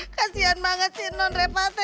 kasian banget si non repate